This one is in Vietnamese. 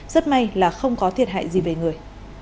rất may là không có thiệt hại gì về người